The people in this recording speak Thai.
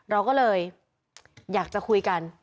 เราก็เลยอยากจะคุยกัน